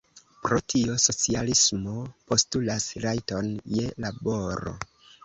Pro tio socialismo postulas rajton je laboro.